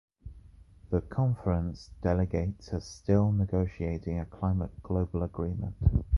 The conference delegates are still negotiating a climate global agreement.